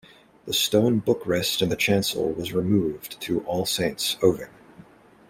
The stone book-rest in the chancel was removed to All Saints', Oving.